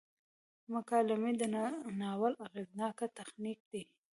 مکالمې د ناول اغیزناک تخنیک دی.